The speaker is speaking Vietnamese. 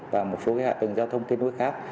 và một số hạ tầng giao thông kết nối khác